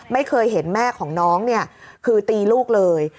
ไม่เคยเห็นแม่ของน้องเนี่ยคือตีลูกเลย